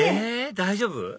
え大丈夫？